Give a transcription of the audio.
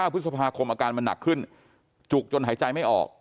พฤษภาคมอาการมันหนักขึ้นจุกจนหายใจไม่ออก